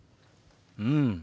うん。